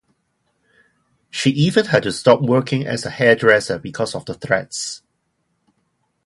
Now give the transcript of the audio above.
She even had to stop working as a hairdresser because of the threats.